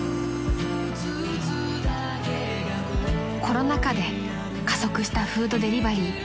［コロナ禍で加速したフードデリバリー］